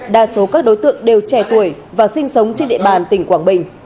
đa số các đối tượng đều trẻ tuổi và sinh sống trên địa bàn tỉnh quảng bình